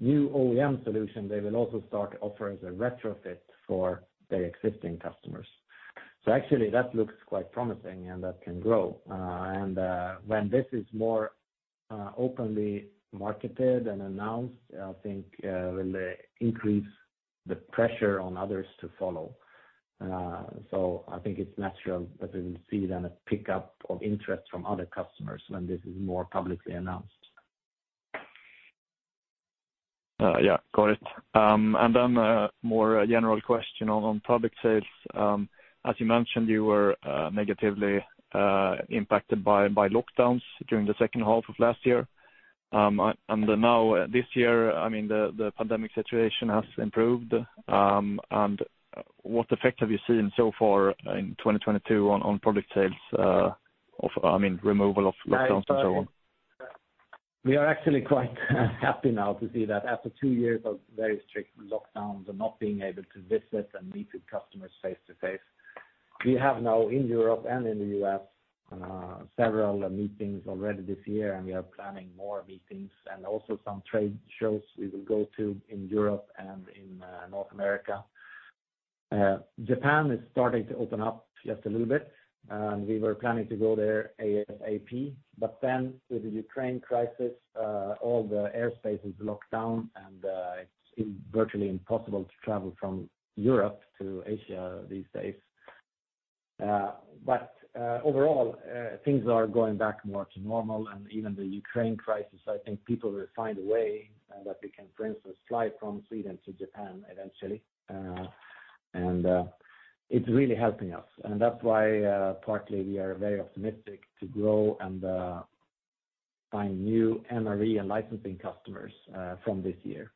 new OEM solution, they will also start offering the retrofit for their existing customers. Actually that looks quite promising, and that can grow. When this is more openly marketed and announced, I think it will increase the pressure on others to follow. I think it's natural that we will see then a pickup of interest from other customers when this is more publicly announced. Yeah. Got it. More general question on product sales. As you mentioned, you were negatively impacted by lockdowns during the second half of last year. Now this year, I mean, the pandemic situation has improved. What effect have you seen so far in 2022 on product sales of, I mean, removal of lockdowns and so on? We are actually quite happy now to see that after two years of very strict lockdowns and not being able to visit and meet with customers face to face, we have now in Europe and in the U.S. several meetings already this year, and we are planning more meetings and also some trade shows we will go to in Europe and in North America. Japan is starting to open up just a little bit, and we were planning to go there ASAP, but then with the Ukraine crisis, all the airspace is locked down and it's been virtually impossible to travel from Europe to Asia these days. Overall, things are going back more to normal. Even the Ukraine crisis, I think people will find a way that they can, for instance, fly from Sweden to Japan eventually. It's really helping us. That's why partly we are very optimistic to grow and find new NRE and licensing customers from this year.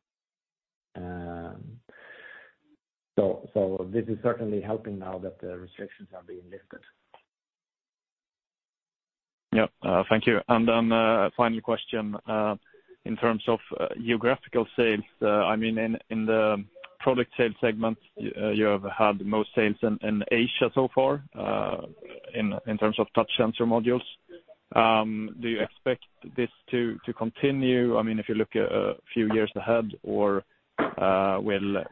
This is certainly helping now that the restrictions are being lifted. Yeah. Thank you. Final question, in terms of geographical sales, I mean, in the product sales segment, you have had the most sales in Asia so far, in terms of touch sensor modules. Do you expect this to continue? I mean, if you look a few years ahead or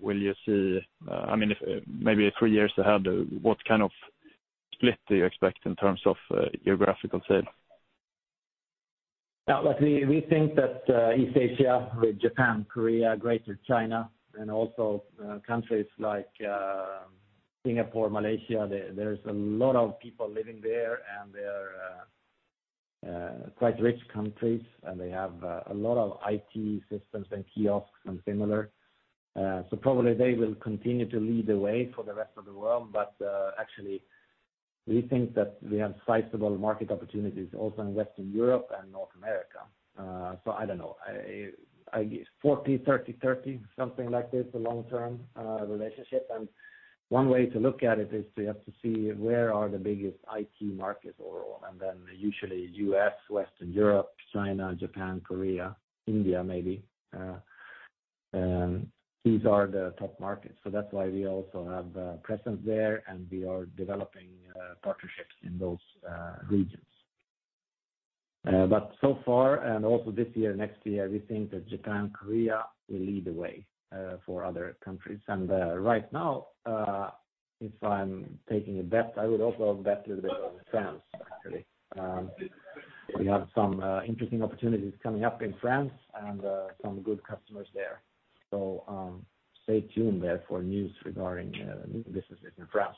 will you see, I mean, if maybe three years ahead, what kind of split do you expect in terms of geographical sales? We think that East Asia with Japan, Korea, Greater China, and also countries like Singapore, Malaysia, there's a lot of people living there, and they are quite rich countries, and they have a lot of IT systems and kiosks and similar. Probably they will continue to lead the way for the rest of the world. Actually, we think that we have sizable market opportunities also in Western Europe and North America. I don't know. 40, 30, something like this, a long-term relationship. One way to look at it is we have to see where are the biggest IT markets overall. Then usually U.S., Western Europe, China, Japan, Korea, India, maybe, these are the top markets. That's why we also have presence there, and we are developing partnerships in those regions. So far, and also this year, next year, we think that Japan, Korea will lead the way for other countries. Right now, if I'm taking a bet, I would also bet a little bit on France, actually. We have some interesting opportunities coming up in France and some good customers there. Stay tuned there for news regarding new businesses in France.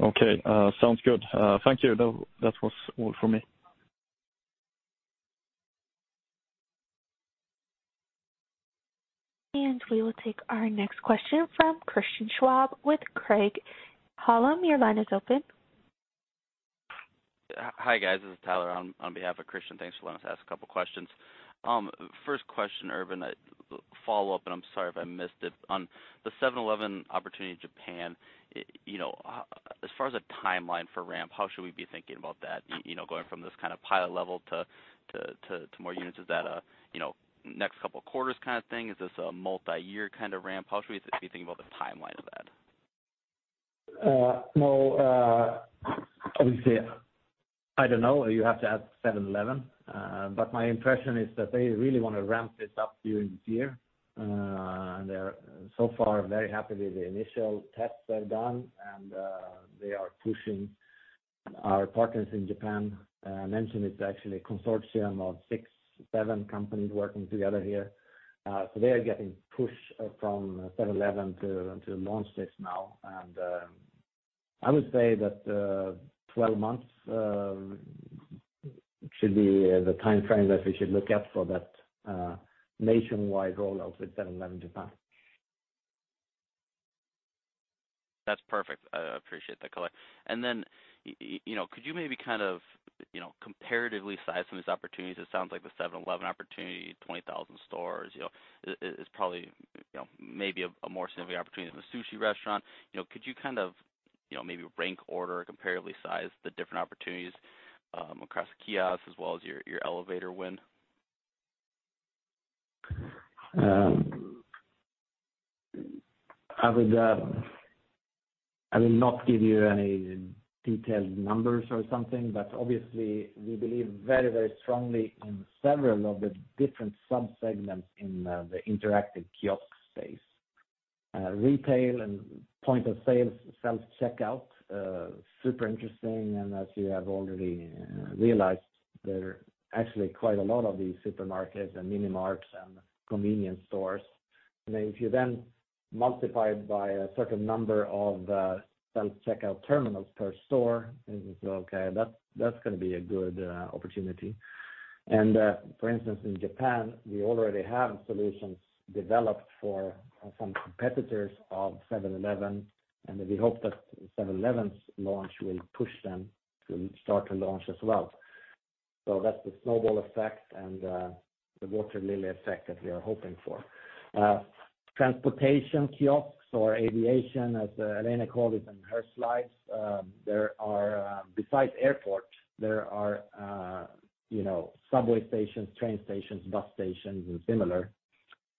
Okay. Sounds good. Thank you. That was all for me. We will take our next question from Christian Schwab with Craig-Hallum. Your line is open. Hi, guys. This is Tyler on behalf of Christian. Thanks for letting us ask a couple questions. First question, Urban, a follow-up, and I'm sorry if I missed it. On the 7-Eleven opportunity in Japan, you know, as far as a timeline for ramp, how should we be thinking about that, you know, going from this kinda pilot level to more units? Is that a, you know, next couple quarters kinda thing? Is this a multi-year kinda ramp? How should we be thinking about the timeline of that? No. Obviously, I don't know. You have to ask 7-Eleven. My impression is that they really wanna ramp this up during the year. They're so far very happy with the initial tests they've done, and they are pushing our partners in Japan. I mentioned it's actually a consortium of six, seven companies working together here. They are getting push from 7-Eleven to launch this now. I would say that 12 months should be the timeframe that we should look at for that nationwide rollout with Seven-Eleven Japan. That's perfect. I appreciate the color. You know, could you maybe kind of, you know, comparatively size some of these opportunities? It sounds like the 7-Eleven opportunity, 20,000 stores, you know, is probably, you know, maybe a more significant opportunity than the sushi restaurant. You know, could you kind of, you know, maybe rank order or comparatively size the different opportunities across kiosks as well as your elevator win? I will not give you any detailed numbers or something, but obviously we believe very, very strongly in several of the different sub-segments in the interactive kiosk space. Retail and point-of-sale self-checkout super interesting. As you have already realized, there are actually quite a lot of these supermarkets and minimarts and convenience stores. If you then multiply it by a certain number of self-checkout terminals per store, and you can say, "Okay, that's gonna be a good opportunity." For instance, in Japan, we already have solutions developed for some competitors of 7-Eleven, and we hope that 7-Eleven's launch will push them to start to launch as well. That's the snowball effect and the water lily effect that we are hoping for. Transportation kiosks or aviation, as Alana called it in her slides, there are, besides airports, you know, subway stations, train stations, bus stations, and similar,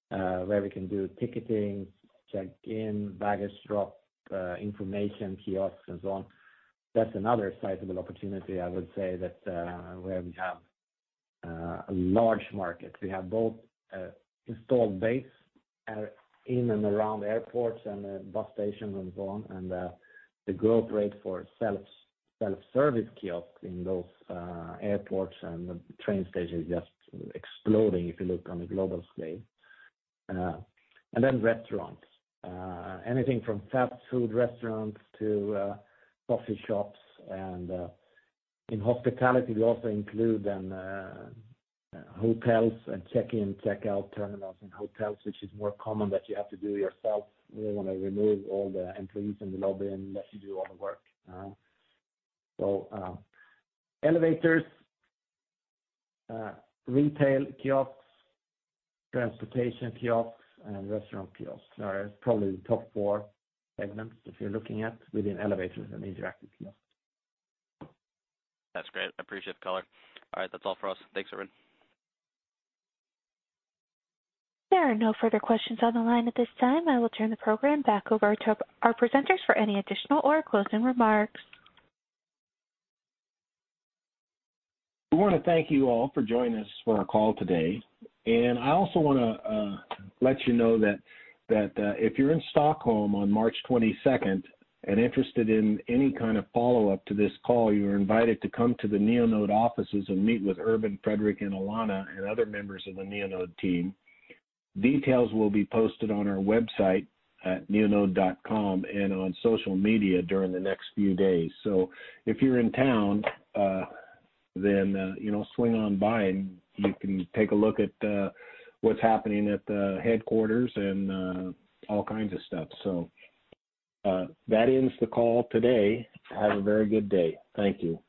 where we can do ticketing, check-in, baggage drop, information kiosks and so on. That's another sizable opportunity, I would say that, where we have a large market. We have both installed base in and around airports and bus stations and so on. The growth rate for self-service kiosks in those airports and train stations is just exploding if you look on a global scale. Restaurants. Anything from fast food restaurants to coffee shops and, in hospitality, we also include then hotels and check-in, check-out terminals in hotels, which is more common that you have to do yourself. We wanna remove all the employees in the lobby and let you do all the work. Elevators, retail kiosks, transportation kiosks, and restaurant kiosks are probably the top four segments if you're looking at within elevators and interactive kiosks. That's great. I appreciate the color. All right, that's all for us. Thanks, everyone. There are no further questions on the line at this time. I will turn the program back over to our presenters for any additional or closing remarks. We wanna thank you all for joining us for our call today. I also wanna let you know that if you're in Stockholm on March 22 and interested in any kind of follow-up to this call, you are invited to come to the Neonode offices and meet with Urban, Fredrik, and Alana and other members of the Neonode team. Details will be posted on our website at neonode.com and on social media during the next few days. If you're in town, you know, swing on by, and you can take a look at what's happening at the headquarters and all kinds of stuff. That ends the call today. Have a very good day. Thank you.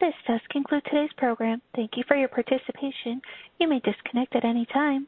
This does conclude today's program. Thank you for your participation. You may disconnect at any time.